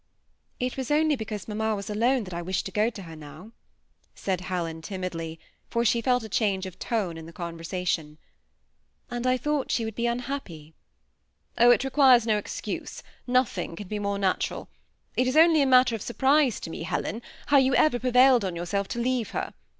*^It was only because mamma was alone that I wished to go to her now," said Helen, timidly, for she felt a change of tone in the conversation, " and I thought she would be unhappy." ^ Oh I it requires no excuse ; nothing can be more natural. It is only a matter of surprise to me, Helen, how you ever prevailed on yourself to leave her.